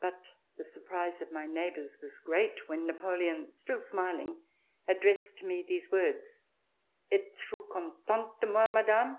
But the surprise of my neighbors was great when Napoleon, still smiling, addressed to me these words: "Etes vous contente de moi, Madame?"